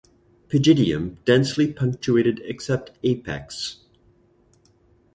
Pygidium densely punctuated except apex.